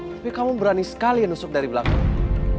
tapi kamu berani sekali nusuk dari belakang